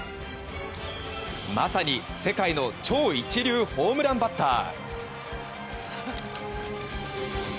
まさに世界の超一流ホームランバッター。